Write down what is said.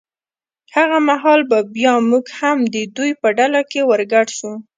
هغه مهال به بیا موږ هم د دوی په ډله کې ور ګډ شو.